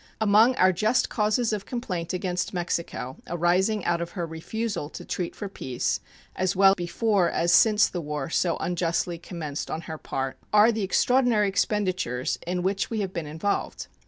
Among our just causes of complaint against Mexico arising out of her refusal to treat for peace, as well before as since the war so unjustly commenced on her part, are the extraordinary expenditures in which we have been involved.